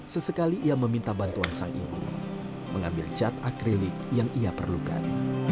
sesekali ia meminta bantuan sang ibu mengambil cat akrilik yang ia perlukan